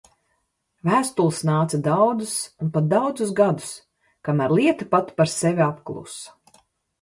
Vēstules nāca daudzas un pat daudzus gadus, kamēr lieta pati par sevi apklusa.